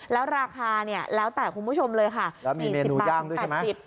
แล้วราคาเนี่ยแล้วแต่คุณผู้ชมเลยค่ะ๔๐บาท๘๐บาทแล้วมีเมนูย่างด้วยใช่ไหม